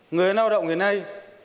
người lao động ngày nay